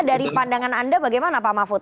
dari pandangan anda bagaimana pak mahfud